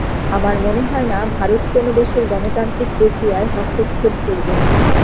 আমার মনে হয় না ভারত কোনো দেশের গণতান্ত্রিক প্রক্রিয়ায় হস্তক্ষেপ করবে।